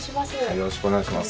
よろしくお願いします